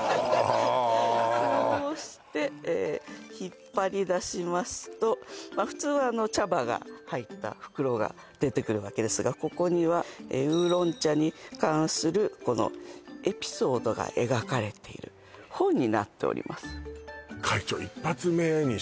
こうして引っ張り出しますと普通は茶葉が入った袋が出てくるわけですがここにはウーロン茶に関するこのエピソードが描かれている本になっております